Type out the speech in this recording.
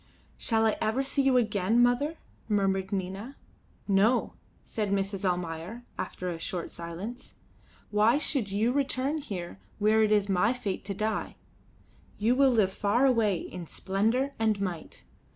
"Shall I ever see you again, mother?" murmured Nina. "No," said Mrs. Almayer, after a short silence. "Why should you return here where it is my fate to die? You will live far away in splendour and might.